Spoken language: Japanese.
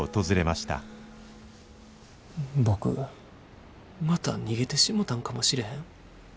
僕また逃げてしもたんかもしれへん。